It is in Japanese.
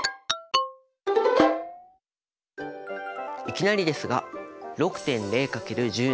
いきなりですが６．０×１０個。